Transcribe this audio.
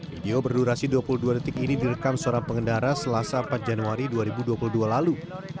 video berdurasi dua puluh dua detik ini direkam seorang pengendara selasa empat januari dua ribu dua puluh dua lalu